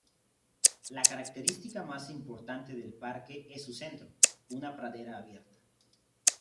La característica más importante del parque es su centro, una pradera abierta.